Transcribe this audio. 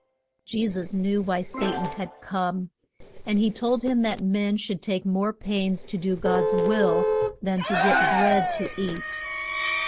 Je sus knew why Sa tan had come, and he told him that men should take more pains to do God's will than to get bread to eat.